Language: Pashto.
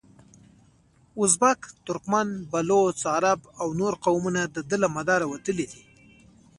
ازبک، ترکمن، بلوڅ، عرب او نور قومونه دده له مداره وتلي دي.